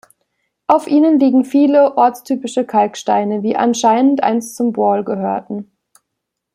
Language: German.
Auf ihnen liegen viele ortstypische Kalksteine, die anscheinend einst zum Wall gehörten.